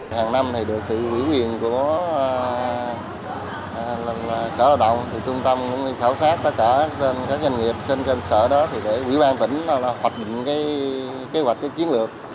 hàng năm được sự quyển quyền của sở lao động trung tâm cũng đi khảo sát tất cả các doanh nghiệp trên sở đó để quỹ bàn tỉnh hoạch định kế hoạch chiến lược